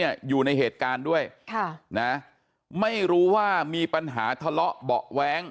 อยู่ในเหตุการณ์ด้วยค่ะนะไม่รู้ว่ามีปัญหาทะเลาะเบาะแว้ง